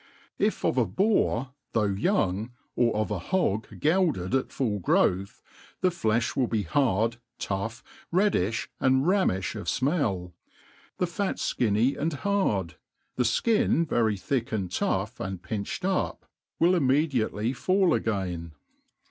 If of f boar, though young, or of a boa; gelded at full growth, the flelh will be hard, tough, reddiffi, and rammifli bf fmell } tfec fat ffinny and hird ; the ikia very thick and (pugb^ and pinched up, will immediately fall again.